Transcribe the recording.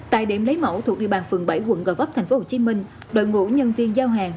tại điểm lấy mẫu thuộc địa bàn phường bảy quận gò vấp tp hcm đội ngũ nhân viên giao hàng